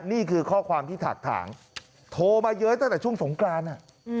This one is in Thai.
นี่คือข้อความที่ถักถางโทรมาเย้ยตั้งแต่ช่วงสงกราน